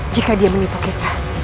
jika dia menipu kita